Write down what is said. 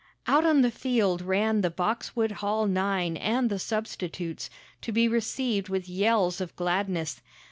Out on the field ran the Boxwood Hall nine and the substitutes, to be received with yells of gladness.